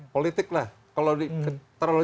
politik lah kalau terlalu